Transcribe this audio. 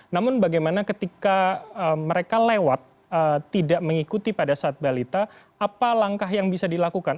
namun bagaimana ketika mereka lewat tidak mengikuti pada saat balita apa langkah yang bisa dilakukan